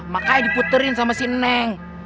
makanya diputerin sama si neng